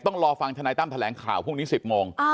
ต้องรอฟังธนายตั้มแถลงข่าวพรุ่งนี้๑๐โมง